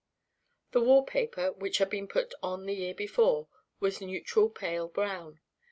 The wall paper, which had been put on the year before, was a neutral pale brown.